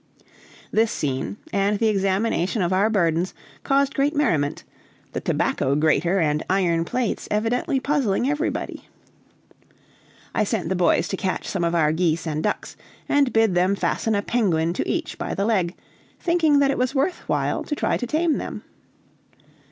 This scene, and the examination of our burdens, caused great merriment: the tobacco grater and iron plates evidently puzzling everybody. I sent the boys to catch some of our geese and ducks, and bid them fasten a penguin to each by the leg, thinking that it was worth while to try to tame them.